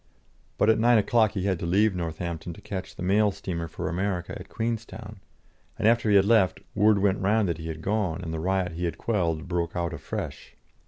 But at nine o'clock he had to leave Northampton to catch the mail steamer for America at Queenstown, and after he had left, word went round that he had gone, and the riot he had quelled broke out afresh.